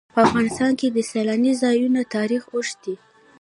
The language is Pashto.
په افغانستان کې د سیلانی ځایونه تاریخ اوږد دی.